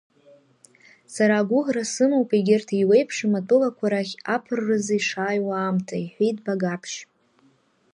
Сара агәыӷра сымоуп, егьырҭ еиуеиԥшым атәылақәа рахь аԥырразы ишаауа аамҭа, — иҳәеит Багаԥшь.